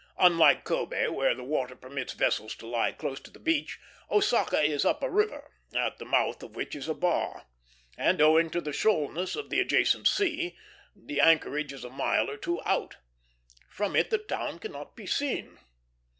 Unlike Kobé, where the water permits vessels to lie close to the beach, Osaka is up a river, at the mouth of which is a bar; and, owing to the shoalness of the adjacent sea, the anchorage is a mile or two out. From it the town cannot be seen.